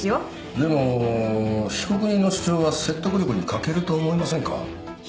でも被告人の主張は説得力に欠けると思いませんか？